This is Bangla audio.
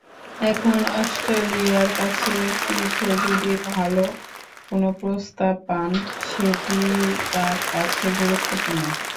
এখন অস্ট্রেলিয়ার কাছে-পিঠে যদি ভালো কোনো প্রস্তাব পান, সেটি তাঁর কাছে গুরুত্বপূর্ণ।